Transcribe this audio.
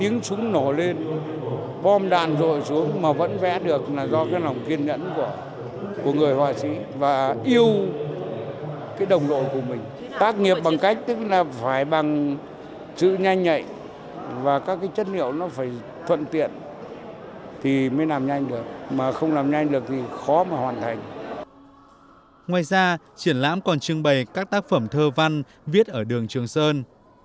ngoài ra triển lãm còn trưng bày các tác phẩm thơ văn viết ở đường trường sơn